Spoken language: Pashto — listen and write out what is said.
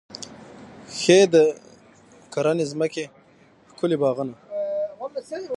ښې د کرنې ځمکې، ښکلي باغونه